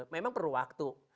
memang perlu waktu